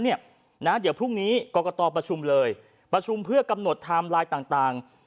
เดี๋ยวพรุ่งนี้กรกตประชุมเลยประชุมเพื่อกำหนดไทม์ไลน์ต่าง